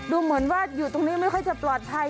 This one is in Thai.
ดูเหมือนว่าอยู่ตรงนี้ไม่ค่อยจะปลอดภัย